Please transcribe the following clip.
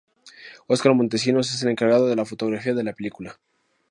Oscar Montesinos es el encargado de la fotografía de la película.